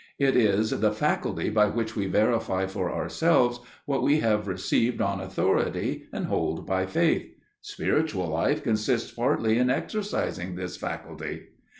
It is the faculty by which we verify for ourselves what we have received on authority and hold by faith. Spiritual life consists partly in exercising this faculty.